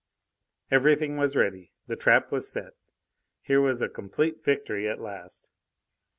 Everything was ready; the trap was set. Here was a complete victory at last.